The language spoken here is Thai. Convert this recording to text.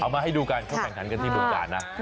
เอามาให้ดูกันเข้าแข่งขันกันที่บุกการณ์นะ